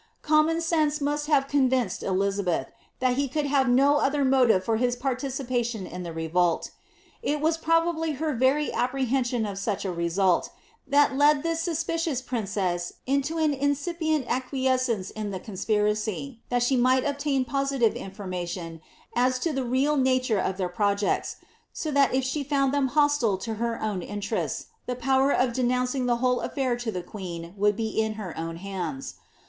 Com mon sense roust have convinced Elizabeth, that he could have no other Dotive for his participation in the revolt. It was probably her very ap prehension of such a result, that led this suspicious princess into an incipient acquiescence in the conspiracy, that she might obtain positive information as to the real nature of their projects, so that if she found tbem hostile to her own interests, the power of denouncing the whole ifiir to the queen would be in her own hands.